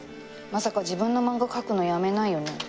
まさか自分の漫画描くのやめないよね？